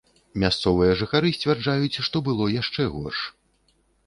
Мясцовыя жыхары сцвярджаюць, што было яшчэ горш.